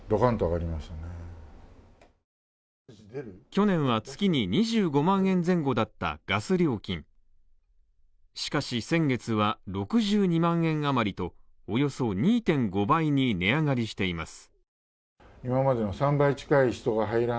去年は月に２５万円前後だったガス料金しかし先月は６２万円余りと、およそ２．５倍に値上がりしています。